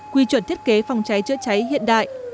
quy chuẩn thiết kế phòng cháy chữa cháy hiện đại